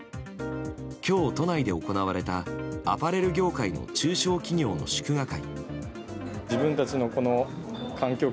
今日、都内で行われたアパレル業界の中小企業の祝賀会。